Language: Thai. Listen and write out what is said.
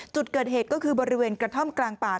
จุดเกิดเหตุก็คือบริเวณกระท่อมกลางป่า